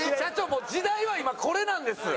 もう時代は今これなんです。